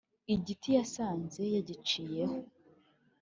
igiti yasanze yagiciyeho